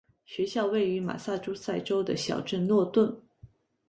学校位于马萨诸塞州的小镇诺顿。